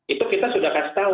itu kita sudah kasih tahu